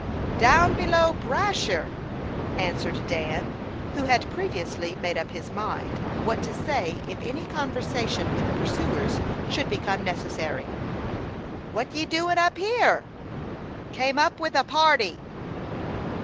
"Down below Brashear," answered Dan, who had previously made up his mind what to say if any conversation with the pursuers should become necessary. "What ye doin up here?" "Came up with a party."